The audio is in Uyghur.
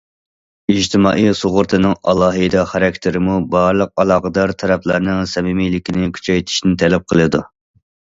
ئىجتىمائىي سۇغۇرتىنىڭ ئالاھىدە خاراكتېرىمۇ بارلىق ئالاقىدار تەرەپلەرنىڭ سەمىمىيلىكنى كۈچەيتىشىنى تەلەپ قىلىدۇ.